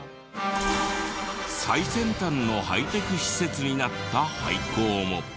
最先端のハイテク施設になった廃校も。